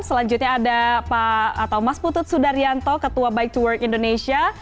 selanjutnya ada mas putut sudaryanto ketua bike to work indonesia